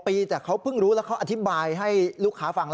ปีแต่เขาเพิ่งรู้แล้วเขาอธิบายให้ลูกค้าฟัง